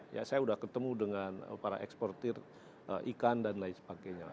ya saya sudah ketemu dengan para eksportir ikan dan lain sebagainya